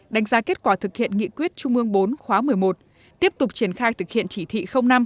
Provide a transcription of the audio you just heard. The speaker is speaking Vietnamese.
đánh giá kết quả thực hiện nghị quyết trung ương bốn khóa một mươi một tiếp tục triển khai thực hiện chỉ thị năm